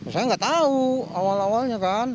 saya nggak tahu awal awalnya kan